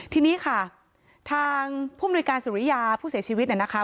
ทีนี้ค่ะทางผู้มีการสอุนยาผู้เสียชีวิตยังไงนะคะ